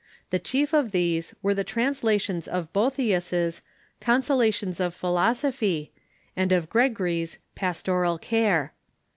The chief of these were the translations of Boethius's " Consolations of Philosophy " and of Gregory's " Pastoral Care."